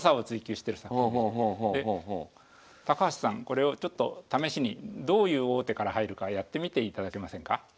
これをちょっと試しにどういう王手から入るかやってみていただけませんか？